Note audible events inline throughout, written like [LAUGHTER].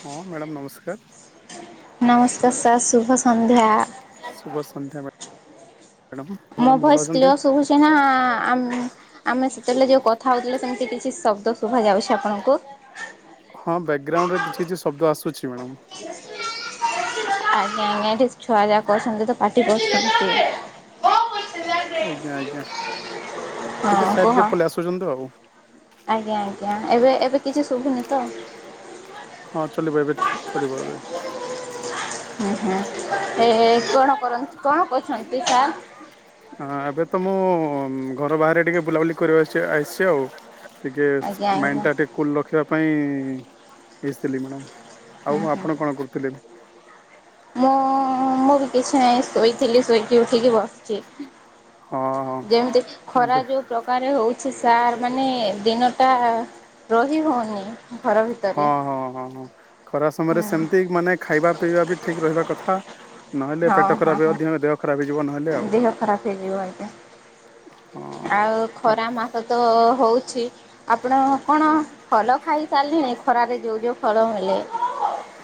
ହଁ ମ୍ୟାଡ଼ମ ନମସ୍କାର। ନମସ୍କାର ସାର୍ ଶୁଭ ସନ୍ଧ୍ୟା। ଶୁଭ ସନ୍ଧ୍ୟା ମ୍ୟାଡ଼ାମ ମ୍ୟାଡ଼ାମ ମୋ ଭଲ ଭଏସ୍ ଅଛନ୍ତି? କ୍ଲିୟର ଶୁଭୁଛି ନା? ହ ଆମେ ସେତେବେଳେ ଯେଉଁ କଥା ହଉଥିଲେ ସେମିତି କିଛି ଶବ୍ଦ ଶୁଭାଯାଉଛି ଆପଣଙ୍କୁ। ହଁ ବ୍ୟାକଗ୍ରାଉଣ୍ଡରେ କିଛି କିଛି ଶବ୍ଦ ଆସୁଛି ମ୍ୟାଡ଼ମ। ଆଜ୍ଞା ଆଜ୍ଞାଠିକ ଛୁଆ ଯା କରଛନ୍ତି ତ ପାଟିିବ। [UNINTELLIGIBLE] ଆଜ୍ଞା ଆଜ୍ଞା ଟିକେ ହଁ ସାଇଟ କୁହ। କି ପଳେଇ ଆସୁଛନ୍ତି ଆଉ ଆଜ୍ଞା ଆଜ୍ଞା ଏବେ ଏବେ କିଛି ଶୁଭୁନି ତ ହଁ ଚଲିବ ଏବେ ଚଲିିବ ଏବେ। ହୁଁ ହୁଁ ଏ କଣ କର କଣ କରୁଛନ୍ତି ସାର୍? ହଁ ଏବେ ତ ମୁଁ ଘର ବାହାରେ ଟିକେ ବୁଲାବୁଲି କରିବା ଆସ ଆସିଛି ଆଉ। ଟିକେ ଆଜ୍ଞା ମାଇଣ୍ଡ ଆଜ୍ଞା ଟା ଟିକେ କୁଲ ରଖିବା। ପାଇଁ ଆସିଥିଲି ମ୍ୟାଡ଼ାମ। ହୁଁ ଆଉ ହ ହୁଁ ଆପଣ କଣ କରୁଥିଲେ? ମୁଁ ମୁଁ କିଛି ନାହିଁ ଶୋଇଥିଲି ଶୋଇକି ଉଠିକି ବସିଛି। ହଁ ହଁ ଯେମିତି ଖରା ଏବେ ଯୋଉ ପ୍ରକାରେ ହଉଛି ସାର୍ ମାନେ ଦିନଟା। ରହି ହଉନି। ଘର ଭିତରେ ହଁ ହଁ ହଁ ହଁ ଖରା ହୁଁ ସମୟରେ ସେମିତି ମାନେ। ଖାଇବା ପିଇବା ବି ଠିକ ରହିବା କଥା। ନହେଲେ ପେଟ ହଁ ହଁ ଖରାପ ହେବ ହଁ ଅଧିକ ଦେହ ଖରାପ ହେଇଯିବ ନହେଲେ ଆଉ ଦେହ ଖରାପ ହେଇଯିବ ଆତେ ହଁ। ଆଉ ଆପ ଖରା ମାସ ତ ହଉଛି ଆପଣ କଣ ଭଲ ଖାଇ ଚାଲିଣି ଖରାରେ ଯେଉଁ ଯେଉଁ ଫଳ ମିଳେ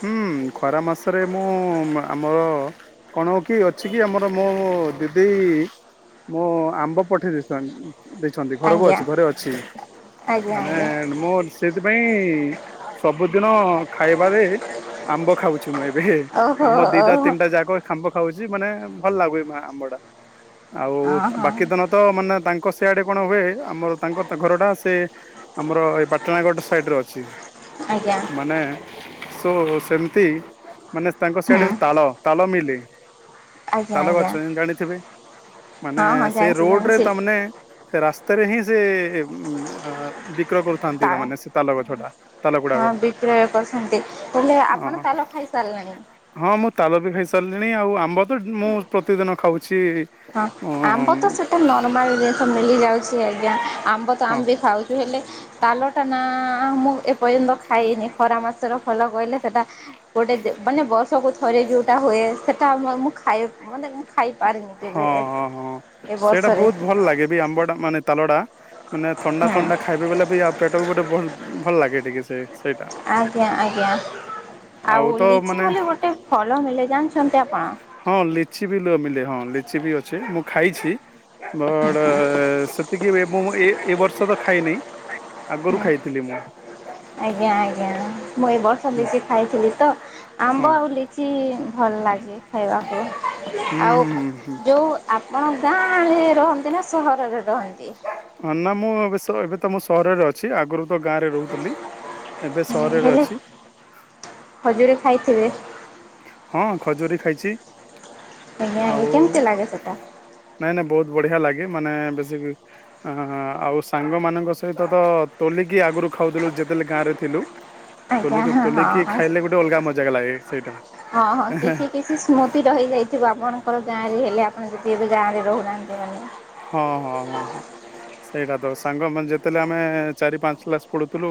ହୁଁ ଖରା ମାସରେ ମୁଁ ଆମର କଣ ହଉ କି ଅଛି କି ଆମର ମୋ ଦିଦି ମୋ ଆମ୍ବ ପଠେଇ ଦେଇ ଦେଇଛନ୍ତି ଘରକୁ ଆଜ୍ଞା ଅଛି ଘରେ ଅଛି ଆଜ୍ଞା ମାନେ ଆଜ୍ଞା ମୁଁ ସେଇଥିପାଇଁ ସବୁଦିନ ଖାଇବାରେ ଆମ୍ବ ଖାଉଛି ମୁଁ ଏବେ ଓହୋ ଆମ ଦିଟା ଓହୋ ତିନିଟା ଯାକ ଖାମ୍ବ ଖାଉଛି ବଟ ମାନେ ଭଲ ଲାଗୁ ମା ଆମ୍ବ ଟା। ଆଉ ହଁ ହଁ ବାକି ଦିନ ତ ମାନେ ତାଙ୍କ କଷିଆଡେ କଣ ହୁଏ ଆମର ତାଙ୍କର ଘରଟା ସେ ଆମର ଏ ପାଟଣାଗଡ଼ ସାଇଡ଼୍ର ଅଛି ଆଜ୍ଞା ମାନେ ସୋ ସେମ ମାନେ ତାଙ୍କ ହୁଁ ସଇଡ ତାଳ ତାଳ ମିଲେ ଆଜ୍ଞା ତାଲ ଆଜ୍ଞା ଗଛ ଜାଣିଥିବେ ମାନେ ହଁ ହଁ ସେ ଜାଣିଛି ରୋଡ ରେ ଜାଣିଛି ତାମାନେ ସେ ରାସ୍ତାରେ ହଁ ସେ ବିକ ବିକ୍ର କରୁନ୍ତି ତାଳ ମାନେ ସେ ତାଲଗଛଟା- ହଁ ବିିକ୍ରୟ କରୁସନ୍ତି। ବୋଇଲେ ଅ ଆପଣ ତାଲ ଖାଇ ସାରିଲେଣି। ସାରିଲେଣି ଆଉ ଆମ୍ବ ତ ମୁଁ ପ୍ରତିଦିନ ଖାଉଛି ହଁ ଅ ଆମ୍ବ ତ ସେଟା ନର୍ମାଲ ଜିନିଷ ମିଳିଯାଉଛି। କିଛି ଆଜ୍ଞା ଆମ୍ବ ତ ହଁ ଆମ୍ ବି ଖାଉଛୁ ହେଲେ ତାଲଟା ନା ମୁଁ ପର୍ଯ୍ୟନ୍ତ ଖାଇଏନି ଖରା ମାସ ର - ଭଲୋ କିଲେ ସେଇଟା ଗୋଟେ ମାନେ ବର୍ଷକୁ ଥରେ ଯୋଉଟା ହୁଏ ସେଟା। ଖାଇ ମ ଟ ଖାଇ ପାରିନି। ହଁ ହଁ ହଁ ସେଇଟା ବହୁତ ଭଲ ଲାଗେ ବି ଆମ୍ବ ଟା ମାନେ ତାଲ। କଡ଼ା। ମାନେ ଥଣ୍ଡା ହୁଁ ଥଣ୍ଡା ଖାଇବା ବଲେ ବି ଆଉ ପେଟ ବି ଗୋଟେ। ଭଲ ଭଲ ଲାଗେ ଟିକେ ସେ। ସେଇଟା ଆଜ୍ଞା ଆଜ୍ଞା ଆଉ ତ ଲିଚି ମାନେ ବୋଲି ଗୋଟେ ଫଲ ମିଳେ ଜାଣିଛନ୍ତି ଆପଣ। ହଁ ଲିଚି ବି ମିଲେ ହଁ ଲିଚି ବି ଅଛି ମୁଁ ଖାଇଛି। ବଡ଼-ଅ-ଅ ସେ ଏତିକି ମୁଁ ଏ ଏ ବର୍ଷ ତ ଖାଇନି ଆଗରୁ ହୁଁ ଖାଇଥିଲି ମୁଁ। ଆଜ୍ଞା ଆଜ୍ଞା ମୁଁ ଏ ବର୍ଷ ହଁ ଲିଚି ଖାଇଥିଲି ତ ଆମ୍ବ ଆଉ ଲିଚି-ଚି-ଚି। ଭଲ ଲାଗେ ଖାଇବା କୁ ହୁଁ ଆଉ ହୁଁ ହୁଁ ଯେଉଁ ଆପଣ ଗାଁରେ-ରେ-ରେ ରହନ୍ତି ନା ସ ସହର ରେ ନା ମୁଁ ଏବେ ଏବେ ତ ମୁଁ ସ ସହରରେ ଅଛି ଆଗରୁ ଗାଁରେ ରହୁଥିଲି ଏବେ ସହରରେ ହେଲେ ଅଛି। ଖଜୁରୀ ଖାଇଥିବେ। ହଁ ଖଜୁରୀ ଖାଇଛି। ଆଜ୍ଞା ଆଜ୍ଞା ଆଉ କେମିତି ଲାଗେ ସେଟା? ନାଇଁ ନାଇଁ ବହୁତ ବଢିଆ ଲାଗେ ମାନେ ବ। ଆଉ ସାଙ୍ଗ ମାନଙ୍କ ସହିତ ତ ତୋଲିକି ଆଗରୁ। ଖାଉଥିଲୁ ଯେତେବେଳେ ଗାଁରେ ଥିଲୁ। ଆଜ୍ଞା ହଁ ତୋଲିକି ହଁ। ଖାଇଲେ ଗୋଟେ ଅଲଗା ମଜାା ଲାଗେ ସେଇଟା। ହଁ ହଁ କିଛି କିଛି ସ୍ମୃତି ରହିଯାଇଥିବ ଆମ। ର ଗାଁ ରେ ହେଲେ ଆପଣ ଦିଦି ବି ଗାଁ ରେ ରହୁନାହାନ୍ତି ମାନେ। ହଁ ହଁ ହଁ ହଁ। ସେଇଟା ତ ସାଙ୍ଗମାନେ ଯେତେବେଳେ ଆମେ ଚାରି ପାଞ୍ଚ କ୍ଲାସ୍ ପଢ଼ୁଥିଲୁ।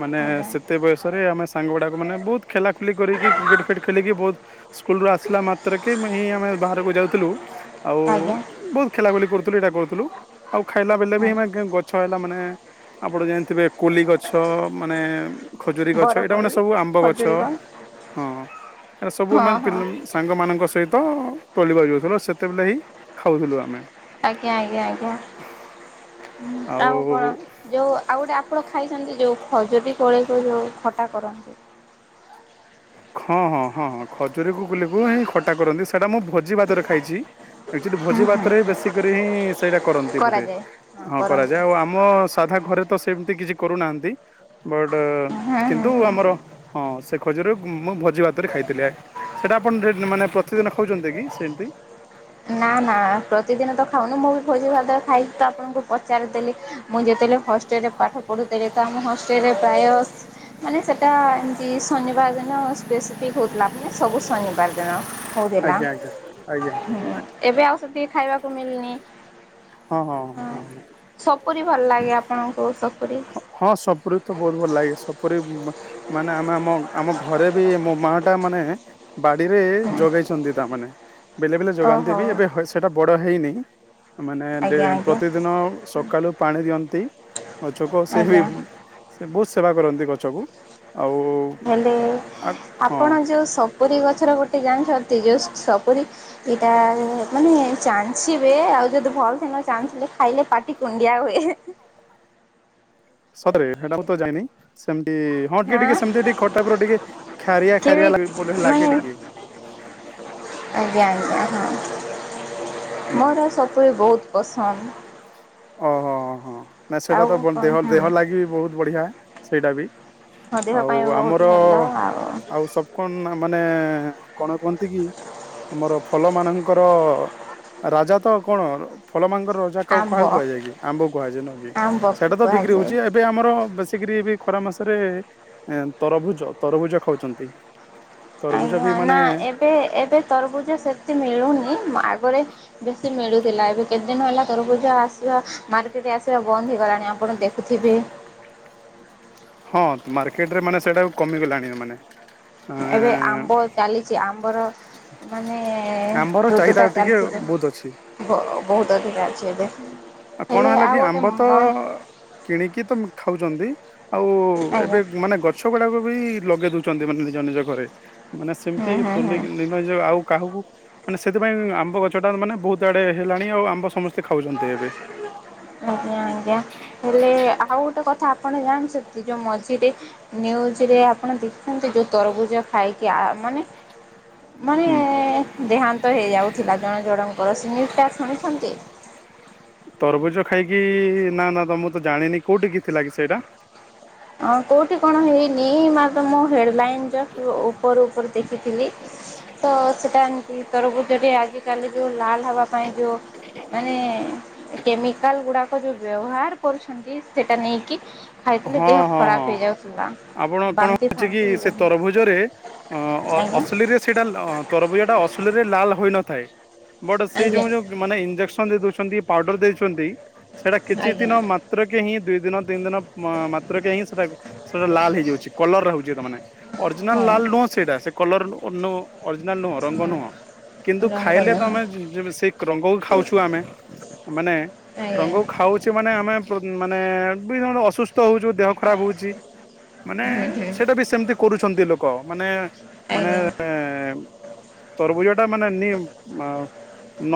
ମାନେ ଆଜ୍ଞା ସେତେ ବୟସରେ ଆମେ ସାଙ୍ଗ ଗୁଡା। ମାନେ ବହୁତ। ଖେଲା ଖୁଲି କରିକି କ୍ରିକେଟ ଫିକେଟ ଖେଲିକି ବହୁତ ସ୍କୁଲ୍ ରୁ ଆସିଲା ମାତ୍ରକ କି ହିଁ ଆମେ। ବାହାରକୁ ଯାଉଥିଲୁ ଆଉ ଆଜ୍ଞା ବହୁତ ଖେଲା ଖୁଲି କରୁଥିଲୁ ଏଇଟା କରୁଥିଲୁ ଆଉ ଖାଇଲା ବେଳେ ବି ହଁ ଏମା ଗଛ। ତା ମାନେ ଆପଣ ଜାଣିଥିବେ କୋଲି ଗଛ ମାନେ ଖଜୁରୀ ଗଛ ଏଇଟା ବରକୋଳି ମାନେ ସବୁ ଆମ୍ବ ଗଛ ଖଜୁରୀ କଣ ହଁ ଏଇଟା ସବୁ ହଁ ଆମେ ହଁ ସାଙ୍ଗମାନଙ୍କ ସହିତ [UNINTELLIGIBLE] ସେତେବେଳେ ହିଁ ଖାଉଥିଲୁ ଆମେ। ଆଜ୍ଞା ଆଜ୍ଞା ଆଜ୍ଞା ଆଉ କଣ ଯୋଉ ଆଉ ଗୋଟେ ଆପଣ ଖାଇଛନ୍ତି ଯେଉଁ ଖଜୁରୀ କୋଳିକୁ ଯେଉଁ ଖଟା କରନ୍ତି। ହଁ ହଁ ହଁ ହଁ ଖଜୁରୀକୁ ଖଟା କରନ୍ତି ସେଇଟା ମୁଁ ଭୋଜି ଭାତରେ ଖାଇଛି ଆକଚୁଲି ଭୋଜି ଭାତରେ ବେଶୀ କରି ହିଁ ସେଇଟା କରନ୍ତି ବୋଧେ କରାଯାଏ ହଁ କରନ୍ତି କରାଯାଏ ଆଉ ଆମ ସାଧା ଘରେ ତ ସେମିତି କିଛି କରୁନାହାନ୍ତି ବଟ ହୁଁ ହୁଁ କିନ୍ତୁ ହୁଁ। ଆମର ହଁ ଖଜରୁ ମୁଁ ଭଜ ଜଉ ଆକାରେ ଖାଇଥିଲେ ସେଇଟା ଆପଣା ରେ ମାନେ କିଛିଦିନ ଖାଉଛନ୍ତି କି ସେମତି? ନା ନା ପ୍ରତିଦିନ ତ ଖାଉନି ମୁଁ ବି ଭୋଜି ଭାତ ରେ ଖାଇଚି ତ ଆପଣଙ୍କୁ ପଚାରିଦେଲି ମୁଁ ଯେତେବେଳେ ହଷ୍ଟେଲରେ ପାଠ ପଢୁଥିଲି ତ ଆମ ହଷ୍ଟେଲରେ ପ୍ରାୟ ମାନେ ସେଟା ଏମିତି ଶନିବାର ଦିନ ସ୍ପେସିଫିକ ହଉଥିଲା ମାନେ ସବୁ ଶନିବାର ଦିନ। ହଉଥିଲା ଆଜ୍ଞା ଆଜ୍ଞା ଆଜ୍ଞା। ହୁଁ ଏବେ ଆଉ ସେତିକି ଖାଇବାକୁ ମିିଲନି ହଁ ସପୁରି ଭଲ ଲାଗେ ଆପଣଙ୍କୁ ସପୁ ହଁ ହଁ ସପୁରୀ ତ ବହୁତ ଭଲ ଲାଗେ ସପୁରୀ ମ ମାନେ ନ ମା ମ ଆମ ଘରେ ବି ମୋ ମା ଟା ମାନେ ବାଡିରେ ଯଗେଇଛନ୍ତି ତା ମାନେ [INAUDIBLE] ବେଲେ ବେଲେ ଯୋଗାନ୍ତି ବି ଓହୋ। ଏବେ ହ ସେଇଟା ବଡ଼ ହେଇନି ମାନେ ଡେ ଆଜ୍ଞା ଆଜ୍ଞା ପ୍ରତିଦିନ ସକାଲୁ ପାଣି ଦିଅନ୍ତି। ପଛକୁ ଆଉ ସେ ବି ଆଜ୍ଞା ସେ ବହୁତ ସେବା କରନ୍ତି ଗଛକୁ। ଆଉ ହେଲେ ହଁ ଆପଣ ଯୋଉ ସପୁରୀ ଗଛର ଗୋଟେ ଜାଣିଛନ୍ତି ଯଉ ସ ସପୁରୀ ଏଇଟା ମାନେ ଚାଞ୍ଚିବେ ଆଉ ଯଦି ଭଲ ସେ ନ ଚାଞ୍ଚିଲେ ଖାଇଲେ ପାଟି କୁଣ୍ଡିଆ ହୁଏ। ସତରେ ସେଟା ମୁଁ ତ ଜାଣିନାହିଁ ସେମ ହାଁ ଖାରିଆ କିଏ ଖାରିଆ ବୋଲି ବି ଲାଗେ ମାନେ ଟିକେ ଆଜ୍ଞା ଆଜ୍ଞା ହଁ ହୁଁ ମୋର ସପୁରୀ ବହୁତ ପସନ୍ଦ ହଁ। ଓହୋ ହ ହଁ। ନା ସେଇଟା ତ ବ ଦେହ କଣ ଦେହ ହୁଁ ଲାଗି ବି ବହୁତ ବଢିଆ। ସେଇଟା ବି ମୋ ଦେହ ଆଉ ପାଇଁ ବହୁତ ଭଲ ଆମର-ର-ର ଆଉ ସବ କଣ ମାନେ ମାନେ-ଏ-ଜ କଣ କହନ୍ତି କି ଆମର ଫଲ ମାନଙ୍କର-ର-ର ରାଜା ତ କଣ ଫଲ ମାନଙ୍କର ର ଆମ୍ବ କାହାକୁ କୁହାଯାଏ କି ଆମ୍ବ କୁହାଯାଏ ନ କି ଆମ୍ବକୁ ସେଇଟା ତ ବିକ୍ରି କୁହାଯାଏ। ହଉଛି ଏବେ ଆମର ବେଶୀକିରି ବି ଖରା ମାସରେ। ଏ ତରଭୁଜ ତରଭୁଜ ଖାଉଛନ୍ତି। ତରଭୁଜ ବି ଆଜ୍ଞା ନା ମାନେ ଏବେ ଏବେ ତରଭୁଜ ସେତେ ମିଳୁନି ମୁଁ ଆଗ ବରେ ବେଶୀ ମିଳୁଥିଲା ଏବେ କେତେ ଦିନ ହେଲା ତରଭୁଜ ଆସିବା ମାରକେଟ ଆସିବା ବନ୍ଦ ହେଇଗଲାଣି ଆପଣ ଦେଖୁଥିବେ। ହଁ ମାର୍କେଟ ରେ ମାନେ ସେଇଟା କମିଗଲାଣି ମାନେ। ଏବେ ଆମ୍ବ ଚାଲିଛି ଆମ୍ବର ମାନେ- ଏ-ଏ ଆମ୍ବର ଋତୁ ଚାହିଦା ଟା ଟିକେ ଚାଲିଛି ବହୁତ ଅଛି ବ ବହୁତ ଅଧିକା ଅଛି ଏବେ କଣ ହେଲେ ହେଲା କି ଆଉ ଆମ୍ବ ଗୋଟେ ତ କଣ ଆଉ-ଉ-ଉ ଏବେ ମାନେ ଗଛ ଗୁଡାକ ବି ଲଗେଇ ଦଉଛନ୍ତି ମାନେ ନିଜ ନିଜ ଘରେ। ମାନେ ସେମିତି ହୁଁ ହୁଁ ହୁଁ ତୋଲେଇ କି ନେଇ ନା ଯାଅ ଆଉ। କାହାକୁ ମାନେ ସେଥିପାଇଁ ଆମ୍ବ ଗଛ ଟା ମାନେ ବହୁତ ଆଡେ ହେଲାଣି ଆଉ ଆମ୍ବ ସମସ୍ତେ ଖାଉଛନ୍ତି ଏବେ। ଆଜ୍ଞା ଆଜ୍ଞା ହେଲେ ଆଉ ଗୋଟେ କଥା ଆ ଆପଣ ଯାଣିଛନ୍ତି ଯୋଉ ମଝିରେ ନିଉଜରେ ଆପଣ ଦେଖନ୍ତି ଯୋଉ ତରଭୁଜ ଖାଇକି ଆ ମାନେ। ମାନେ ହୁଁ ଦେହାନ୍ତ ହେଇଯାଉଥିଲା ଜଣେ ଜଣଙ୍କର ସେ ନ୍ୟୁଜ୍ ଟା ଶୁଣିଛନ୍ତି? ତରଭୁଜ ଖାଇକି ନା ନା ତ ମୁଁ ତ ଜାଣିନି କୋଉଠି କି ଥିଲା କି ସେଇଟା? ହଁ କୋଉଠି କଣ ହେଇନି ମା। ମୁଁ ହେଡଲାଇନ୍। ଉପର ଉପର ଦେଖିଥିଲି ତ ସେଟା। ଇ ତରଭୁଜଟିଏ ଯଦି ଆଜିକାଲି ଯୋଉ ଲାଲ। ଖାଇବା ପାଇଁ ଯେଉଁ ମାନେ। କେମିକାଲ ଗୁଡାକ ଯୋଉ ବ୍ୟବହାର କରୁଛନ୍ତି। ସେଇଟା ନେଇକି ଖାଇଥିଲେ। ହଁ ହଁ ଖରାପ ହଁ ହେଇଯାଉଥିଲା ଆପଣ କଣ ବାନ୍ତି ହଉଛି କି ଫାନ୍ତି ସେ ଆଜ୍ଞା। ତରଭୁଜରେ ଆଜ୍ଞା ଅସଲିରେ ସେଇଟା ତରଭୁଜ ଟା ଅସ୍ଲିରେ ଲାଲ୍। ଭଲ ହୋଇ ନଥାଏ। ବଟ୍ ସେଇ ଯୋଉ ଯୋଉ ମାନେ ଇଂଜେକସନ। ଦଉଛନ୍ତି ପାଉଡର ଦେଉଛନ୍ତି। ସେଇଟା କିଛି ଦିନ ଆଜ୍ଞା ମାତ୍ରକେ ହିଁ। ଦୁଇଦିନ ତିନି ଦିନ ମାତ୍ରକେ ହିଁ ସେଟା ସେଟା ଲାଲ ହେଇଯାଉଛି କଲରରେ ହଉଛି ତା ମାନେ ଅରିଜିନାଲ ହଁ ଲା୍ଲ ନୁହଁ ସେଇଟା ସେ କଲର ଓ ନୋ ଅରିଜିନାଲ ନୁହଁ ରଙ୍ଗ ନୁହଁ କିନ୍ତୁ ହଁ ରଙ୍ଗ ଖାଇଲେ ନୁହଁ ତମେ ସେଇ ରଙ୍ଗକୁ ଖାଉଛୁ ଆମେ ମାନେ ଆଜ୍ଞା ରଙ୍ଗକୁ ଖାଉଛେ ମାନେ ଆମେ ମାନେ ମାନେ ବି ଅସୁସ୍ଥ। [UNINTELLIGIBLE] ଦେହ ଖରାପ ହଉଛି ମାନେ ହୁଁ ହୁଁ ସେଇଟା ବି ସେମିତି କରୁଛନ୍ତି ଲୋକ। କ ମାନେ ମାନେ ଆଜ୍ଞା। ଏ-ଏ ତରଭୁଜ ଟା ମାନେ ନି ମା ନ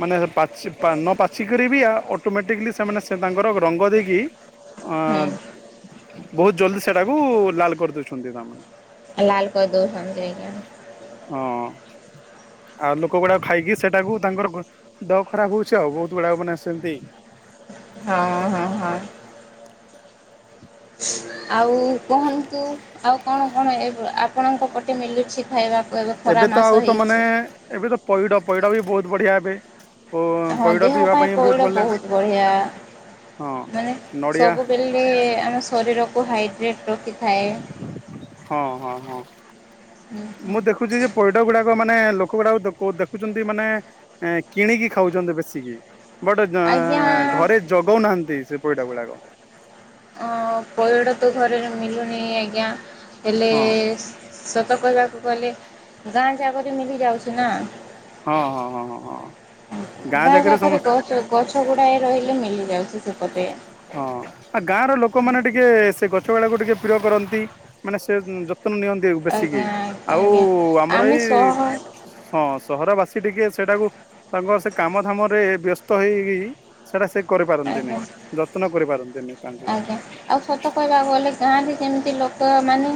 ମାନେ ପାଚି ନ ପାଚିକିରୀ ବି ଅଟୋମେଟିକିଲି ସେମାନେ ତାଙ୍କର ରଙ୍ଗ ଦେଇକି ହୁଁ ବହୁତ ଜଲଦି ସେଟାକୁ ଲାଲ କରିଦଉଛନ୍ତି ତାମାନେ ଲାଲ କରିଦଉଛନ୍ତି ହଁ। । ଆଉ ଲୋକ ଗୁଡାକ ଖାଇକି ସେଟାକୁ ତାଙ୍କର ଦେହ ଖରାପ ହଉଛି ଆଉ ବହୁତ ଗୁଡାକ ମାନେ ସେମିତି ହଁ ହଁ ହଁ ହଁ ଆଉ କୁହନ୍ତୁ ଆଉ କଣ? କଣ ଏ ଆପଣଙ୍କ ପଟେ ମିଲୁଛି? ଖାଇବାକୁ ଖରା ଏବେ ତ ମାସ ଆଉ ତ ମାନେ ହେଇଛି। ଏବେ ତ ପଇଡ ପଇଡ ବି ବହୁତ। ବଢିଆ ଏବେ ଓ ହଁ ପଇଡ ଦେହ ପିଇବା ପାଇଁ ପଇଡ଼ ଭଲ ବହୁତ ବଢିଆ ହଁ ମାନେ ନଡିଆ ସବୁବେଲେ ଆମ ଶରୀର ତୁ ହାଇଡ୍ରେ୍ ହଁ ହଁ ହଁ ମୁଁ ଦେଖୁଛି ଯେ ପଇଡ ଗୁଡାକ ମାନ ମାନେ ଲୋକ ଗୁଡାକୁ ଦେଖୁଛନ୍ତି ମାନେ କିଣିକି ଖାଉଛନ୍ତି ବେଶୀକି ବଟେ ଗ୍ନଁ ଆଜ୍ଞା ଘରେ ଜଗଉନାହାନ୍ତି ସେ ପଇଡ ଗୁଡାକ। ଅଁ ପଇଡ଼ ତ ଘରେରେ ମିିଲୁନି ଆଜ୍ଞା [UNINTELLIGIBLE] ହେଲେ ହଁ ଶ୍ ସତ କହିବାକୁ ଗଲେ ଗାଁ କୁ ଆଗ ତ ମୁଁ ବି ଯାଉଛି ନା ହଁ ହଁ ହଁ ହଁ ହଁ ଗାଁ ବାଁ ଜାଗାରେ ପାଖରେ ସମସ୍ତ ଗଛ ଗଛ ଗୁଡାଏ ରହିଲେ ମିଳି ଯାଉଛି। [UNINTELLIGIBLE] ହଁ ଆଉ ଗାଁ ର ଲୋକମାନେ ଟିକେ ସେ ଗଛ୍ ଛୋଟପିଲାକୁ ଟିକେ ପ୍ରିୟ କରନ୍ତି ମାନେ ସେ ଯତ୍ନ ନିଅନ୍ତି ବେଶିକି ଆଜ୍ଞା ଆଉ ଆଜ୍ଞା ଆମର ଆମେ ଏଇ ସହ ହଁ ସହରବାସୀ ଟିକେ ସେଟାକୁ ତାଙ୍କର ସେ କାମଧାମ ରେ ବ୍ୟସ୍ତ ହେଇକି ସେଇଟା ସେ କରିପାରନ୍ତି ଆଜ୍ଞା। ନାହିଁ। ଯତ୍ନ କରିପାରନ୍ତି। ଆଜ୍ଞା ଆଉ ସତ କହିବାକୁ ଗଲେ ଗାଁ ର କେମିତି ଲୋକ ତ ମାନେ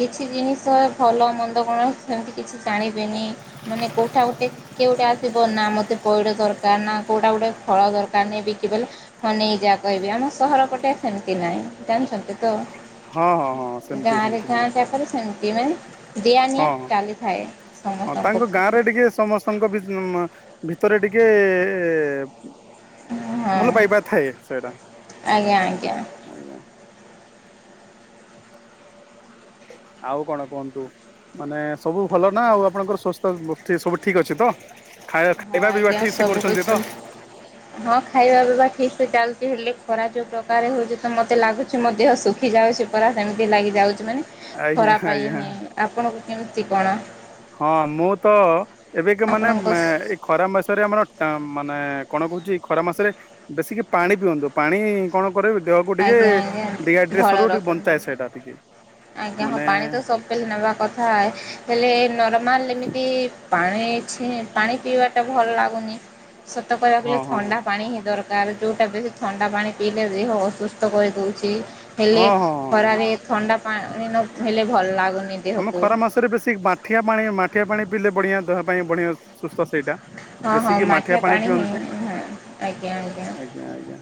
କିଛି ଜିନିଷ ଭଲ ମନ୍ଦ କଣ ସେମିତି କିଛି ଜାଣିବେନି ମାନେ କେଉଁଟା ଗୋଟେ କେଉଁଟେ ଆସିବ ନା ମୋତେ ପଇଡ଼ ଦରକାର ନା କେଉଁଟା ଗୋଟେ ଫଳ ଦରକାର ନାହି ବିକିବଲେ ହନେଇକ ଯାହା କହିବେ ଆମ ସହର କଣ ସତ୍ [UNINTELLIGIBLE] ତ ହଁ ହଁ ହଁ ସେମିତି ଗାଁରେ ସେମିତି ଗାଁ ହଁ ଜାକରେ ସେମିତି ମାନେ ଦିଆ ହଁ ନିିଆ ଚାଲିଥାଏ ହଁ ସମସ୍ତଙ୍କ ତାଙ୍କ ଗାଁ ପଟେ। ରେ ଟିକେ ସମସ୍ତଙ୍କ ବି ଭିତରେ ଟିକେ ହଁ ଭଲ ପାଇବା ଆଜ୍ଞା ଥାଏ ସେଇଟା ଆଜ୍ଞା ଆଜ୍ଞା ଆଉ କଣ କୁହନ୍ତୁ ମାନେ ସବୁ ଭଲ ନା ଆଉ ଆପଣଙ୍କର ସ୍ୱାସ୍ଥ୍ୟ ସୁସ୍ଥି ସବୁ ଠିକ ଅଛି ତ ଖାଇବା ହଁ ଖାଇବା ପିଇବା ଆଜ୍ଞା ଠିକ୍ ସେ ସବୁ କରୁଛନ୍ତି ତ? କିଛି ହଁ ଖାଇବା ପିଇବା ଠିକ ସେ ଚାଲ ହେଲେ ଖରା ଯୋଉ ପ୍ରକାର ହଉଛି ତ ମତେ ଲାଗୁଛି ମୋ ଦେହ ଶୁଖି ଯାଉଛି ପରା ସେମିତି ଲାଗି ଯାଉଛି ମାନେ ଆଜ୍ଞା ଖରା ପାଇଁ ଆଜ୍ଞା ହି ଆପଣ କେମିତି କଣ? ହଁ ମୁଁ ତ ଏବେ କି ମାନେ ଆପଣଙ୍କ ଏଇ ଖରା ମାସରେ ଆମର ମାନେ କଣ କହୁଛି ଖରା ମାସରେ ବେଶିକି ପାଣି ପିଅନ୍ତୁ ପାଣି କଣ? କରେ ଦେହକୁ ଟିକେ ଆଜ୍ଞା ଆଜ୍ଞା ଫଳ ଡିହାଇଡ୍ରେସନରୁ ଟିକେ ରଖୁ ବଞ୍ଚାଏ ସେଇଟା ଟିକେ ଆଜ୍ଞା ହଁ ମାନେ ପାଣି ତ ସବ ନେବା କଥା ହେଲେ ନର୍ ମାରିଲେମିତି ପାଣିଛି ପାଣି ପିଇବା ଟା ଭଲ ଲାଗୁନି ସତ କହିବାକୁ ହଁ ଗଲେ ହଁ ଥଣ୍ଡା ହଁ ପାଣି ହିଁ ଦରକାର ତାର ଯେଉଟା ବେଶୀ ଥଣ୍ଡା ପାଣି ପିଇଲେ ବିି ହଉ ସୁସ୍ଥ କରି ଉଛି ହେଲେ ହଁ ହଁ ହଁ। ଖରାରେ ଥଣ୍ଡା ପାଣି ନ ହେଲେ ଭଲ ଲାଗୁନି ଆମ ଦେହକୁ ଖରା ମାସରେ ବେଶୀ ମାଠିଆ ପାଣି ମାଠିଆ ପାଣି ପିଇଲେ ବଢିଆଁ ଦେହ ପାଇଁ ବଢିଆଁ ସୁସ୍ଥ ସେଇଟା ହଁ ହଁ ବେଶିକି ମାଠିଆ ପାଣି ହିଁ ପିଅନ୍ତୁ ହଁ ଆଜ୍ଞା ଆଜ୍ଞା ଆଜ୍ଞା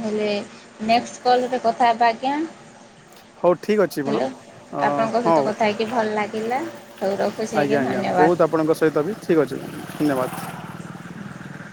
ହେଲେ ନେକ୍ସଟ କଲରେ କଥା ହେବା ଆଜ୍ଞା ହଉ ଠିକ ଅଛି ହ୍ୟାଲୋ। ମ୍ୟାଡ଼ମ୍ ଆପଣଙ୍କ ସହିତ ହଉ କଥା ହେଇକି ଭଲ ଲାଗିଲା ହଉ ରଖୁଛି ଆଜ୍ଞା ଆଜ୍ଞା ଧନ୍ୟବାଦ। ବହୁତ ଆପଣଙ୍କ ସହିତ ବି ଠିକ୍ ଅଛି୍ ମାମ୍ ଧନ୍ୟବାଦ